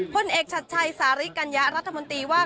พลเอกชัดชัยสาริกัญญะรัฐมนตรีว่า